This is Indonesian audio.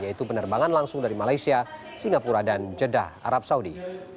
yaitu penerbangan langsung dari malaysia singapura dan jeddah arab saudi